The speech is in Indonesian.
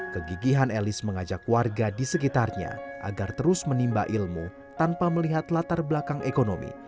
kegigihan elis mengajak warga di sekitarnya agar terus menimba ilmu tanpa melihat latar belakang ekonomi